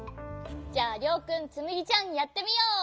じゃありょうくんつむぎちゃんやってみよう！